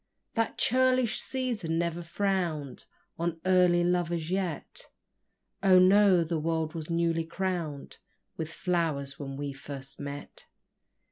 That churlish season never frown'd On early lovers yet: Oh, no the world was newly crown'd With flowers when first we met!